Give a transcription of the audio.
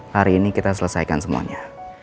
hari ini kita selesaikan semuanya